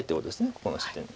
ここの地点に。